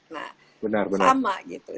nah sama gitu